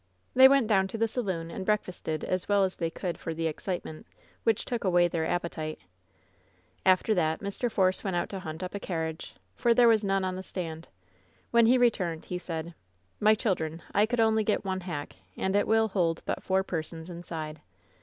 They went down to the saloon and breakfasted as well as they could for the excitement, which took away their appetite. After that, Mr. Force went out to hunt up a carriage, for there was none on the stand. When he returned, he said: "My children, I could only get one hack, and it will hold but four persons inside.